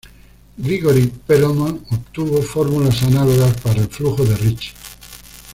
Grigori Perelman obtuvo fórmulas análogas para el flujo de Ricci.